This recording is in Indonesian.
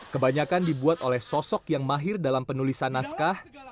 kebanyakan dibuat oleh sosok yang mahir dalam penulisan naskah